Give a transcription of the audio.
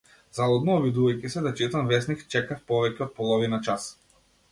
Залудно обидувајќи се да читам весник, чекав повеќе од половина час.